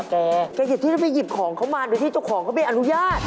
แกหยุดที่จะไปหยิบของเขามาโดยที่เจ้าของเขาไม่อนุญาต